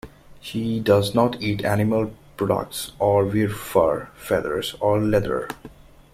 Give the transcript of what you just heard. She does not eat animal products or wear fur, feathers, or leather.